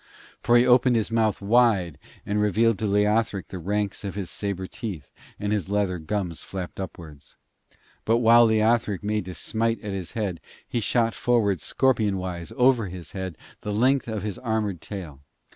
For he opened his mouth wide, and revealed to Leothric the ranks of his sabre teeth, and his leather gums flapped upwards. But while Leothric made to smite at his head, he shot forward scorpion wise over his head the length of his armoured tail.